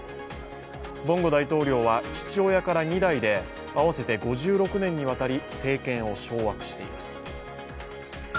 ボンゴ大統領は父親から２代で合わせて５６年にわたり政権を掌握しています。